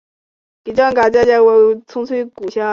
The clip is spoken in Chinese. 每一个礼拜都开会。